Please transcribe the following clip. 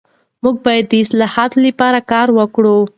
موږ باید د اصلاح لپاره کار وکړو.